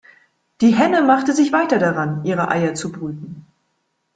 Die Henne machte sich weiter daran, ihre Eier zu brüten.